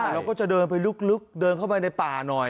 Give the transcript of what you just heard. เราก็จะเดินไปลึกเดินเข้าไปในป่าหน่อย